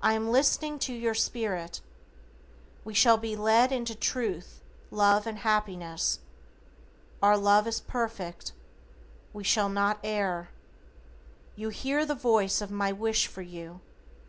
I am listening to your spirit. We shall be led into Truth, Love and Happiness. Our love is perfect. We shall not err. You hear the voice of my wish for you.